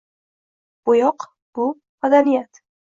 Bo'yoq - bu madaniyat